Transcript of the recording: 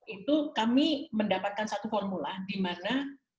itu kami mendapatkan satu formula di mana